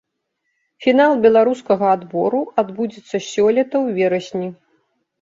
Фінал беларускага адбору адбудзецца сёлета ў верасні.